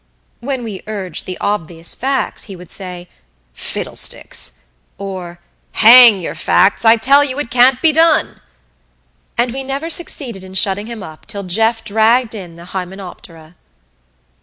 When we urged the obvious facts he would say: "Fiddlesticks!" or "Hang your facts I tell you it can't be done!" And we never succeeded in shutting him up till Jeff dragged in the hymenoptera.